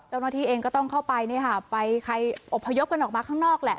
เจ้าหน้าที่เองก็ต้องเข้าไปใครอบพยพกันออกมาข้างนอกแหละ